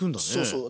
そう。